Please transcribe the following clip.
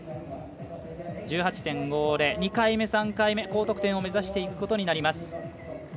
２回目、３回目高得点を目指していくことになります。